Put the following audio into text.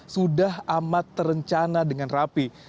sudah amat terencana dengan rapi